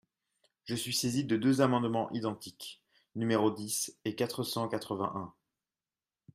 Je suis saisie de deux amendements identiques, numéros dix et quatre cent quatre-vingt-un.